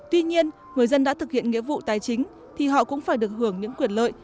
tuy nhiên người dân đã thực hiện nghĩa vụ tài chính thì họ cũng phải được hưởng những quyền lợi